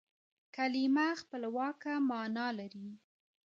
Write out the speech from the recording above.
کلیمه خپلواکه مانا لري.